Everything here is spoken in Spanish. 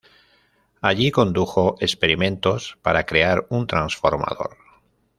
Allí, condujo experimentos para crear un transformador.